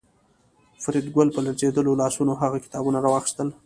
فریدګل په لړزېدلو لاسونو هغه کتابونه راواخیستل